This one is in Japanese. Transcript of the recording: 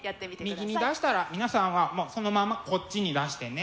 右に出したら皆さんはもうそのまんまこっちに出してね。